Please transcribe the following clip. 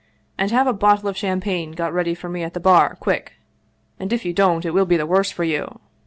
And have a bottle of champagne got ready for me at the bar, quick ! And if you don't, it will be the worse for you